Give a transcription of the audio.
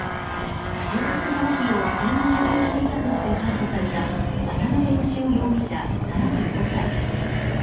生活保護費を不正に受給していたとして渡辺芳男容疑者、７５歳です。